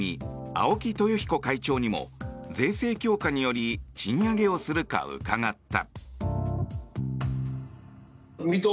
青木豊彦会長にも税制強化により賃上げをするか伺った。